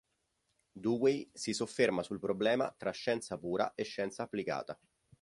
Dewey si sofferma sul problema tra scienza pura e scienza applicata.